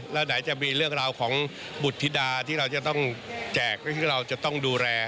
แล้วไหนจะมีเรื่องราวของบุธิดาที่เราจะต้องแจกก็คือเราจะต้องดูแล